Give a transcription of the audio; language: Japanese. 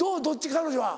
彼女は。